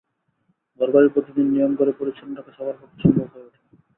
ঘরবাড়ি প্রতিদিন নিয়ম করে পরিচ্ছন্ন রাখা সবার পক্ষে সম্ভব হয়ে ওঠে না।